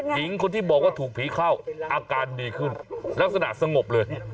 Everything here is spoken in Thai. หญิงคนที่บอกว่าถูกผีเข้าอาการดีขึ้นลักษณะสงบเลย